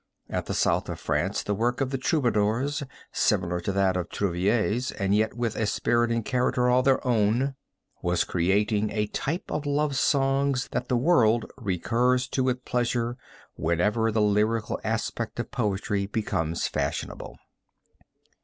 At the South of France the work of the Troubadours, similar to that of the Trouvères and yet with, a spirit and character all its own, was creating a type of love songs that the world recurs to with pleasure whenever the lyrical aspect of poetry becomes fashionable.